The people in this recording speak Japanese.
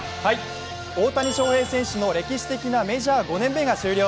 大谷翔平選手の歴史的なメジャー５年目が終了。